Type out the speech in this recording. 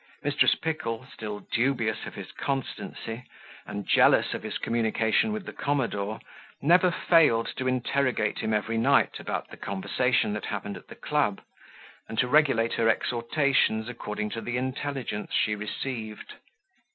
Mrs. Pickle, still dubious of his constancy, and jealous of his communication with the commodore, never failed to interrogate him every night about the conversation that happened at the club, and to regulate her exhortations according to the intelligence she received.